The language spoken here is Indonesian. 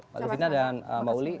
pak rufina dan mbak uli